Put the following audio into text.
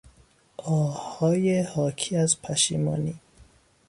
آههای حاکی از پشیمانی